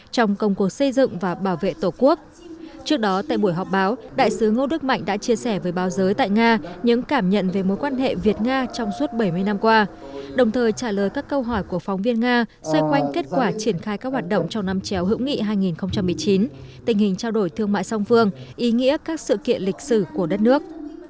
trong công cuộc xây dựng và bảo vệ tổ quốc trước đó tại buổi họp báo đại sứ ngô đức mạnh đã chia sẻ với báo giới tại nga những cảm nhận về mối quan hệ việt nga trong suốt bảy mươi năm qua đồng thời trả lời các câu hỏi của phóng viên nga xoay quanh kết quả triển khai các hoạt động trong năm chéo hữu nghị hai nghìn một mươi chín tình hình trao đổi thương mại song phương ý nghĩa các sự kiện lịch sử của đất nước